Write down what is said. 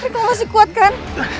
kau masih kuat kan